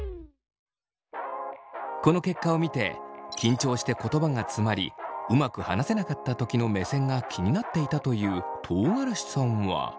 この結果を見て緊張して言葉がつまりうまく話せなかったときの目線が気になっていたという唐辛子さんは。